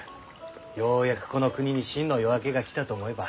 ようやくこの国に真の夜明けが来たと思えば。